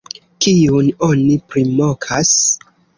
Kiun oni primokas?